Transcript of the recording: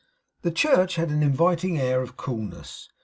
The church had an inviting air of coolness.